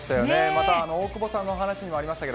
また大久保さんの話にもありましたが、